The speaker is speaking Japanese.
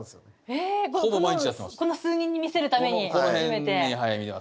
へえこの数人に見せるために集めて。